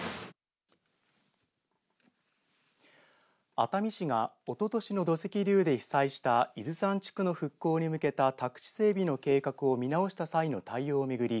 熱海市がおととしの土石流で被災した伊豆山地区の復興に向けた宅地整備の計画を見直した際の対応を巡り